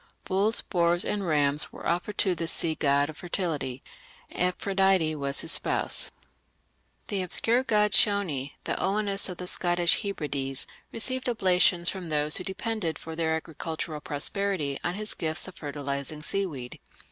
Bulls, boars, and rams were offered to this sea god of fertility. Amphitrite was his spouse. An obscure god Shony, the Oannes of the Scottish Hebrides, received oblations from those who depended for their agricultural prosperity on his gifts of fertilizing seaweed.